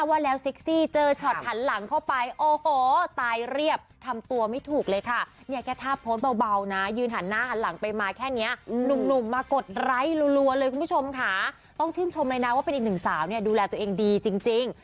อากดไลค์รัวเลยคุณผู้ชมค่ะต้องชื่นชมเลยนะว่าเป็นอีก๑สาวเนี่ยดูแลตัวเองดีจริง